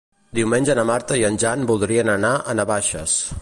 Diumenge na Marta i en Jan voldrien anar a Navaixes.